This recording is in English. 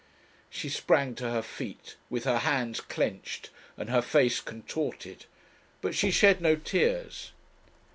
She sprang to her feet, with her hands clenched and her face contorted. But she shed no tears.